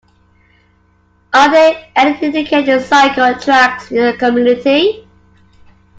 Are there any dedicated cycle tracks in your community?